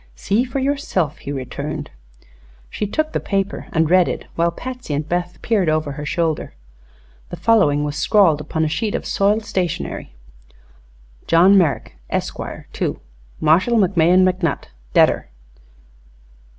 "See for yourself," he returned. She took the paper and read it, while Patsy and Beth peered over her shoulder. The following was scrawled upon a sheet of soiled stationery: "John Merrak, esquare, to Marshall McMahon McNutt, detter.